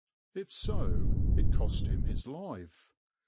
If so, it cost him his life.